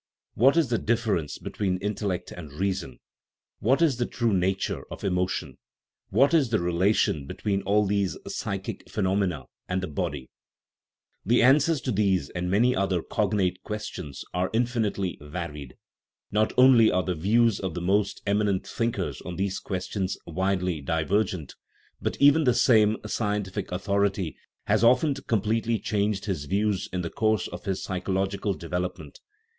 What is the difference between "intel lect " and " reason n ? What is the true nature of " emo tion "? What is the relation between all these " psychic phenomena " and the " body "? The answers to these and many other cognate questions are infinitely varied ; not only are the views of the most eminent thinkers on these questions widely divergent, but even the same scientific authority has often completely changed his views in the course of his psychological development.